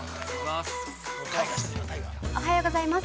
◆おはようございます。